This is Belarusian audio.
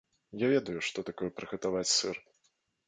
Я ведаю, што такое прыгатаваць сыр.